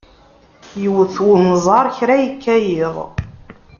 Iwet unẓar kra yekka yiḍ.